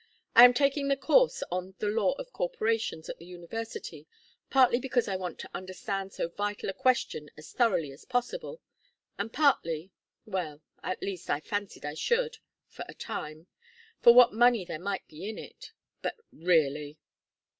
I am taking the course on 'The Law of Corporations' at the University, partly because I want to understand so vital a question as thoroughly as possible and partly well at least, I fancied I should for a time for what money there might be in it But really!"